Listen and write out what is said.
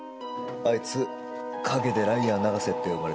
あいつ陰でライアー永瀬って呼ばれてる。